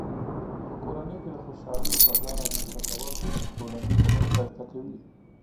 په کورنۍ کې د خوشحالۍ فضاء رامنځته کول ټولنیز ژوند ښایسته کوي.